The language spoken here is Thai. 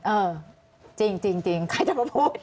เออจริงใครจะมาพูด